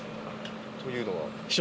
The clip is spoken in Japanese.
というのは？